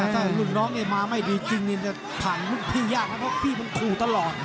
ไม่ลุกน้องเองมาไม่ดีจริงพลังพี่ยากเพราะพี่มันคูตลอด